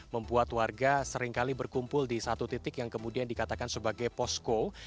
membuat warga seringkali berkumpul di satu titik yang kemudian dikatakan sebagai posko